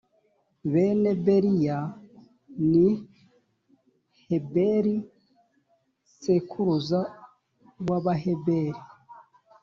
bene beriya ni heberi sekuruza w’abaheberi,